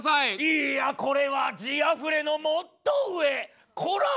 いやこれは字あふれのもっと上コラム！